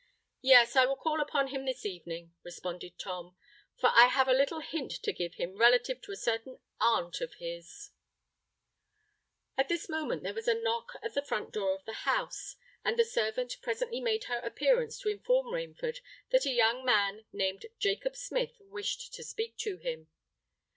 "Yes: I will call upon him this evening," responded Tom; "for I have a little hint to give him relative to a certain aunt of his——" At this moment there was a knock at the front door of the house; and the servant presently made her appearance to inform Rainford that a young man named Jacob Smith wished to speak to him.